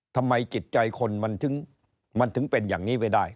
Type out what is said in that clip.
ทำไมจิตใจคนมันถึงเป็นอย่างนี้ไว้ได้